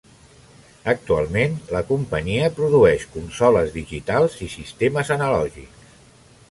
Actualment, la companyia produeix consoles digitals i sistemes analògics.